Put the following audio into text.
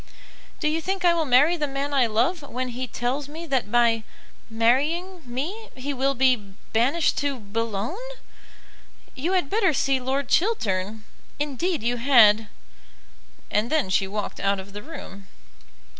"Do you think I will marry the man I love when he tells me that by marrying me, he will be banished to Bou logne? You had better see Lord Chiltern; indeed you had." And then she walked out of the room.